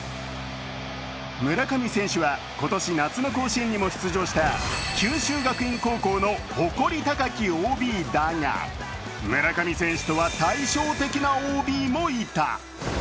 村上選手は今年夏の甲子園にも出場した九州学院高校の誇り高きＯＢだが村上選手とは対照的なＯＢもいた。